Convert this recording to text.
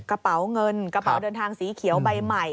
กระเป๋าเงินกระเป๋าเดินทางสีเขียวใบใหม่